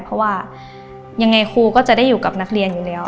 เพราะว่ายังไงครูก็จะได้อยู่กับนักเรียนอยู่แล้ว